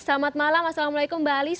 selamat malam assalamualaikum mbak alisa